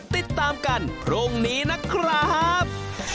ติดตามกันพรุ่งนี้นะครับ